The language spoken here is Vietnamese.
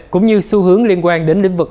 cũng như xu hướng liên quan đến lĩnh vực